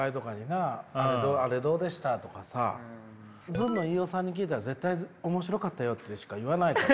ずんの飯尾さんに聞いたら絶対「面白かったよ」としか言わないから。